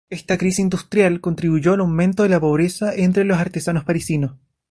Esta crisis industrial contribuyó al aumento de la pobreza entre los artesanos parisinos.